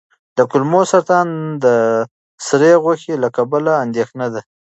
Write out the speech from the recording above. کولمو سرطان د سرې غوښې له کبله اندېښنه ده.